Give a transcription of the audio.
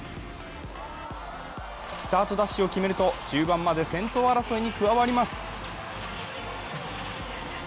スタートダッシュを決めると中盤まで先頭争いに加わります。